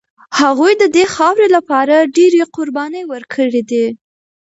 هغوی د دې خاورې لپاره ډېرې قربانۍ ورکړي دي.